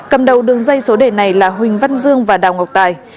cầm đầu đường dây số đề này là huỳnh văn dương và đào ngọc tài